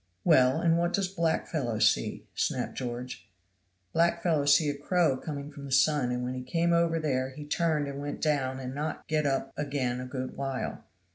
"Well and what does black fellow see?" snapped George. "Black fellow see a crow coming from the sun, and when he came over there he turned and went down and not get up again a good while.